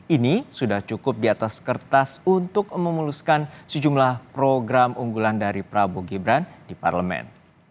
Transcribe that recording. ini sudah cukup di atas kertas untuk memuluskan sejumlah program unggulan dari prabowo gibran di parlemen